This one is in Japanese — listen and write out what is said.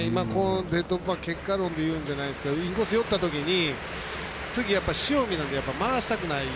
結果論で言うんじゃないですけどインコース寄ったときに次、塩見なんでやっぱり回したくない。